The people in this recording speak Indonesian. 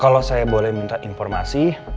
kalau saya boleh minta informasi